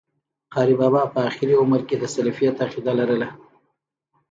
قاري بابا په آخري عمر کي د سلفيت عقيده لرله